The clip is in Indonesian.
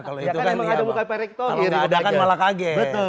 kalau gak ada kan malah kage